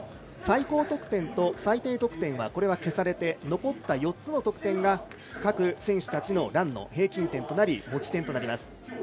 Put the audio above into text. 最高得点と最低得点は消されて残った４つの得点が各選手たちのランの平均点となり持ち点となります。